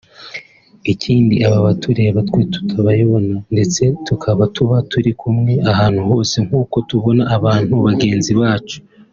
ikindi aba atureba twe tutayabona ndetse tukaba tuba turi kumwe ahantu hose nk’uko tubona abantu bagenzi bacu